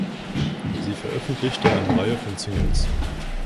Sie veröffentlichte eine Reihe von Singles.